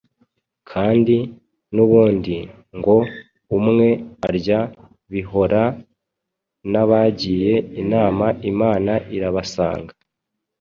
Kandi n’ubundi ngo: “Umwe arya bihora n’abagiye inama Imana irabasanga.”